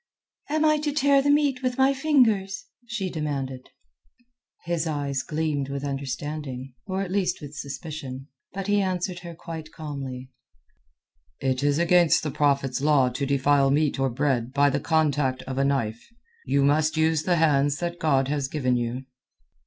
"Am I to tear the meat with my fingers?" she demanded. His eyes gleamed with understanding, or at least with suspicion. But he answered her quite calmly—"It is against the Prophet's law to defile meat or bread by the contact of a knife. You must use the hands that God has given you."